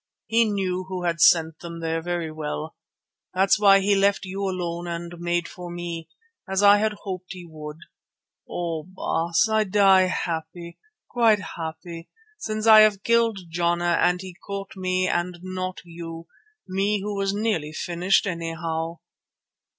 He knew who had sent them there very well. That's why he left you alone and made for me, as I had hoped he would. Oh! Baas, I die happy, quite happy since I have killed Jana and he caught me and not you, me who was nearly finished anyhow.